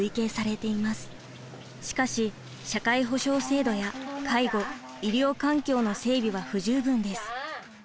しかし社会保障制度や介護医療環境の整備は不十分です。